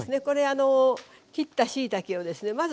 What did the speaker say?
これ切ったしいたけをですね